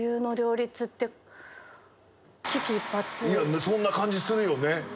いやそんな感じするよね。